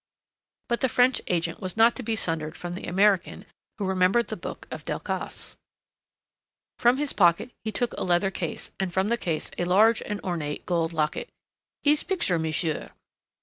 But the French agent was not to be sundered from the American who remembered the book of Delcassé. From his pocket he brought a leather case and from the case a large and ornate gold locket. "His picture, monsieur."